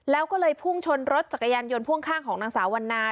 แล้วก็เลยพุ่งชนรถจักรยานยนต์พ่วงข้างของนางสาววันนา